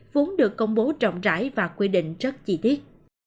vốn được công bố rộng rãi và quy định rất chi tiết